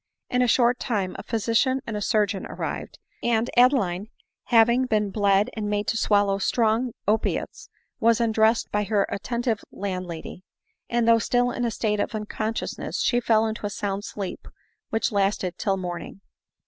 In a short time a physician and a surgeon arrived ; and Adeline, having been bled and made to swallow strong bpiates, was undressed by her attentive landlady ; and though still in a state of unconsciousness, she fell into a sound sleep, which lasted till morning.